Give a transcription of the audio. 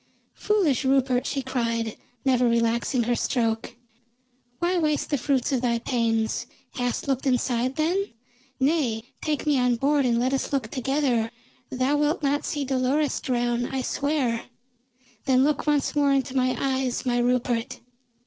"Foolish Rupert!" she cried, never relaxing her stroke. "Why waste the fruits of thy pains? Hast looked inside then? Nay, take me on board, and let us look together. Thou wilt not see Dolores drown, I swear. Then look once more into my eyes, my Rupert!"